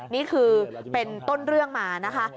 นี่คือเป็นต้นเรื่องมานะคะ